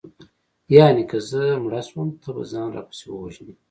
یانې که زه مړه شوم ته به ځان راپسې ووژنې